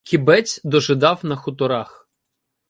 Кібець дожидав на хуторах.